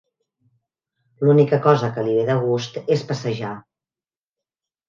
L'única cosa que li ve de gust és passejar.